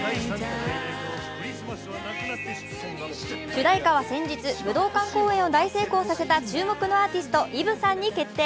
主題歌は先日武道館公演を大成功させた注目のアーティストＥｖｅさんに決定。